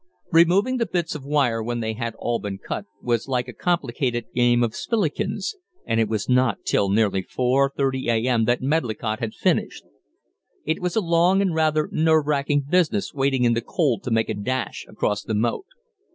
Removing the bits of wire when they had all been cut was like a complicated game of spillikins, and it was not till nearly 4.30 a.m. that Medlicott had finished. It was a long and rather nerve racking business waiting in the cold to make a dash across the moat.